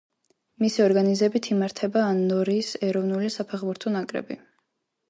მისი ორგანიზებით იმართება ანდორის ეროვნული საფეხბურთო ნაკრები.